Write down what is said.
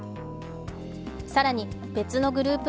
更に別のグループ